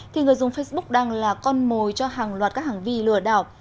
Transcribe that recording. thì người dùng facebook đang là con mồi cho hàng loạt các hàng vi lừa đảo